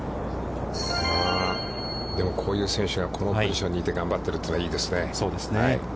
でも、こういう選手がこのポジションにいて、頑張っているのはいいですね。